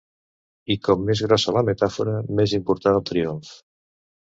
I com més grossa la metàfora, més important el triomf.